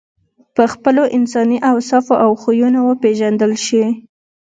په خپلو انساني اوصافو او خویونو وپېژندل شې.